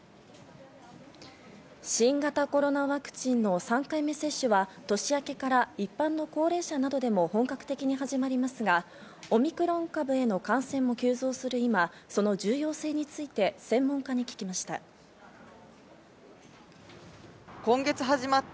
新型コロナワクチンの３回目接種は年明けから一般の高齢者などでも本格的に始まりますが、オミクロン株への感染も急増する今、その重要性について専門家に聞きました。